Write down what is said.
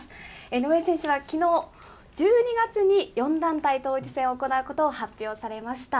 井上選手はきのう、１２月に４団体統一戦を行うことを発表されました。